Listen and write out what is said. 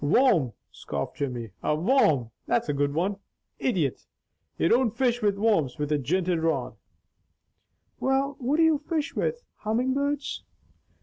"Worm!" scoffed Jimmy. "A worm! That's a good one! Idjit! You don't fish with worms with a jinted rod." "Well what do you fish with? Humming birds?"